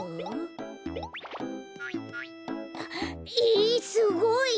えすごい！